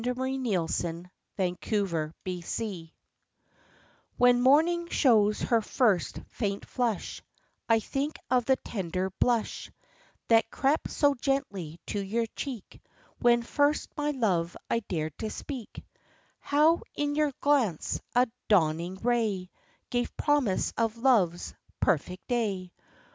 MORNING, NOON AND NIGHT When morning shows her first faint flush, I think of the tender blush That crept so gently to your cheek When first my love I dared to speak; How, in your glance, a dawning ray Gave promise of love's perfect day.